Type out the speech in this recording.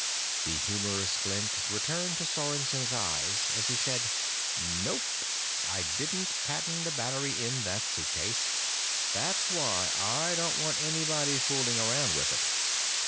The humorous glint returned to Sorensen's eyes as he said, "Nope. I didn't patent the battery in that suitcase. That's why I don't want anybody fooling around with it."